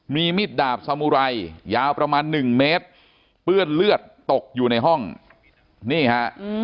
มีมิดดาบสมุไรยาวประมาณหนึ่งเมตรเปื้อนเลือดตกอยู่ในห้องนี่ฮะ